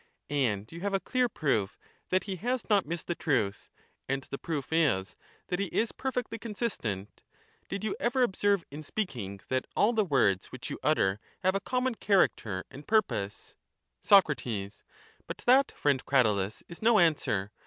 And you have a clear proof that he has not missed the truth, and the proof is — that he is perfectly consistent. Did you ever observe in speaking that all the words which you utter have a common character and piu pose ? Sac. But that, friend Cratylus, is no answer.